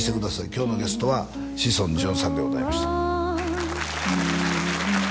今日のゲストは志尊淳さんでございました